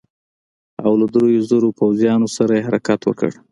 او له دریو زرو پوځیانو سره یې حرکت وکړ.